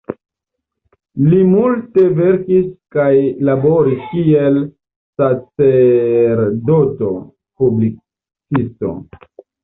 Li multe verkis kaj laboris kiel "sacerdoto-publicisto.